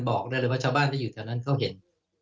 บอกได้เลยว่าชาวบ้านที่อยู่แถวนั้นเขาเห็น